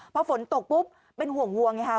พอฝนตกปุ๊บเป็นห่วงวัวไงฮะ